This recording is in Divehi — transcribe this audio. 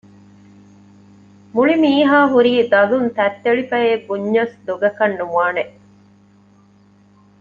މުޅި މީހާ ހުރީ ދަލުން ތަތްތެޅިފަޔޭ ބުންޏަސް ދޮގަކަށް ނުވާނެ